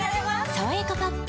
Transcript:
「さわやかパッド」